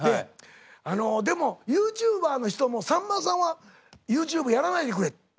でもユーチューバーの人も「さんまさんはＹｏｕＴｕｂｅやらないでくれ」。